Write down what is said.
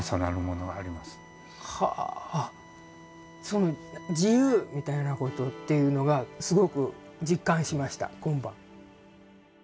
その自由みたいなことっていうのがすごく実感しました今晩。